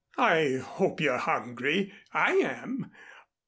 "I hope you're hungry. I am.